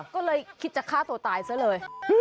ก็เลยคิดจะฆ่าตัวตายซะเลย